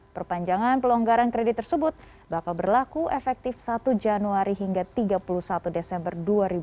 perpanjangan pelonggaran kredit tersebut bakal berlaku efektif satu januari hingga tiga puluh satu desember dua ribu dua puluh